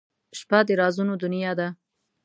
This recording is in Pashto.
• شپه د رازونو دنیا ده.